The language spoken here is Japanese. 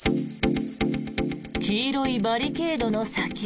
黄色いバリケードの先。